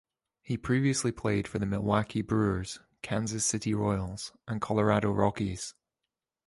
He previously played for the Milwaukee Brewers, Kansas City Royals and Colorado Rockies.